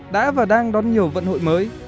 đã và đang đón nhiều vận hội mới